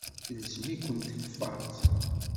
Telzem-iken tkeffart.